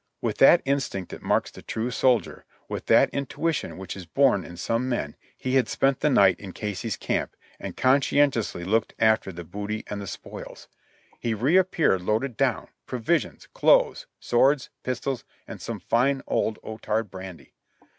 With that instinct that marks the true sol dier— with that intuition which is born in some men, he had spent the night in Casey's camp, and conscientiously looked after the booty and the spoils. He reappeared, loaded down — provisions, clothes, swords, pistols, and some fine old Otard brandy!